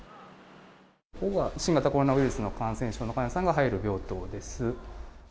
ここが新型コロナウイルス感染症の患者さんが入る病棟です。